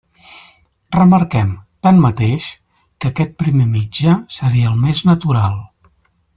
Remarquem, tanmateix, que aquest primer mitjà seria el més natural.